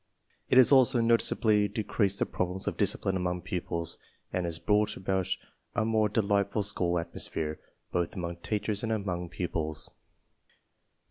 It has also noticeably de creased the problems of discipline among pupils and has brought about a more delightf ul school atmosphere both among teachers and among pupils.